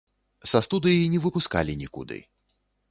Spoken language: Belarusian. Са студыі не выпускалі нікуды.